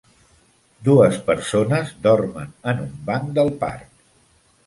Dues persones dormen en un banc del parc.